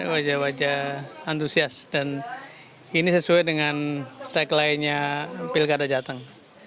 wajah wajah antusias dan ini sesuai dengan tagline nya pilkada jateng